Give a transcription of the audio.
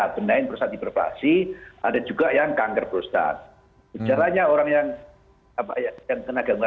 benahin prostat hipervaksi ada juga yang kanker prostat caranya orang yang apa yang tenaga